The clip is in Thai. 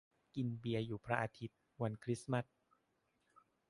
กินเบียร์อยู่พระอาทิตย์ วันคริสต์มาส